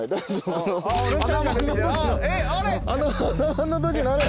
あのときのあれ。